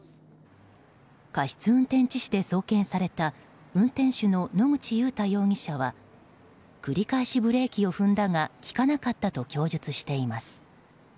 過失運転致死で送検された運転手の野口祐太容疑者は繰り返しブレーキを踏んだが利かなかったと供述しています。